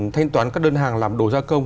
thanh toán các đơn hàng làm đồ gia công